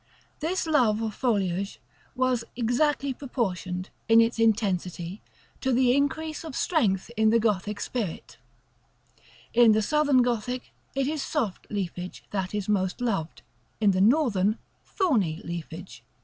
This love of foliage was exactly proportioned, in its intensity, to the increase of strength in the Gothic spirit: in the Southern Gothic it is soft leafage that is most loved; in the Northern thorny leafage.